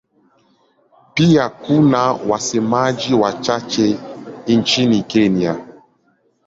Pia kuna wasemaji wachache nchini Kenya.